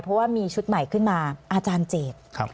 เพราะว่ามีชุดใหม่ขึ้นมาอาจารย์เจต